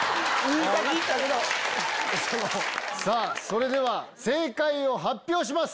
それでは正解を発表します！